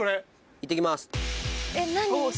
いってきます。